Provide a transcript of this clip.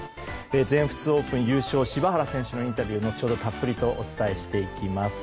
全仏オープン優勝柴原選手のインタビューは後ほどたっぷりとお伝えしていきます。